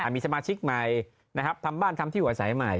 มีสมาชิกใหม่นะครับทำบ้านทำที่อยู่อาศัยใหม่